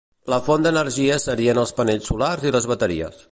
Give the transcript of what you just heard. La font d'energia serien els panells solars i les bateries.